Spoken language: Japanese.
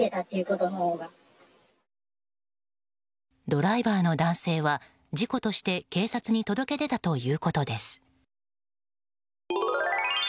ドライバーの男性は事故として警察に届け出たということです。